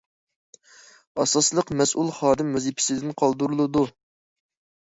ئاساسلىق مەسئۇل خادىم ۋەزىپىسىدىن قالدۇرۇلىدۇ.